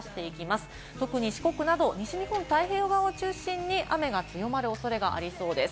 特に四国など西日本、太平洋側を中心に雨が強まる恐れがありそうです。